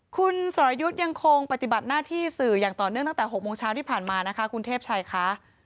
คุณสรยุทธ์ยังคงปฏิบัติหน้าที่สื่ออย่างต่อเนื่องตั้งแต่๖โมงเช้าที่ผ่านมานะคะคุณเทพชัยค่ะ